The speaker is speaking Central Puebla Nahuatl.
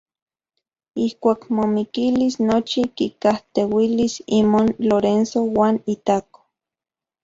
Ijkuak momikilis nochi kikajteuilis imon Lorenzo uan itako.